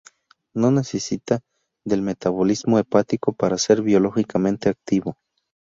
No necesita del metabolismo hepático para ser biológicamente activo.